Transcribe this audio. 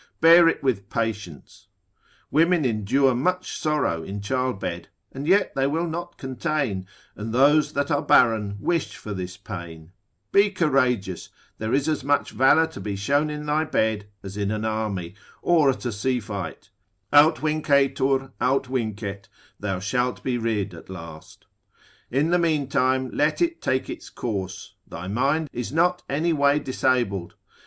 bear it with patience; women endure much sorrow in childbed, and yet they will not contain; and those that are barren, wish for this pain; be courageous, there is as much valour to be shown in thy bed, as in an army, or at a sea fight: aut vincetur, aut vincet, thou shalt be rid at last. In the mean time, let it take its course, thy mind is not any way disabled.